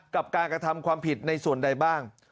กับการกระทำความผิดในส่วนใดบ้าง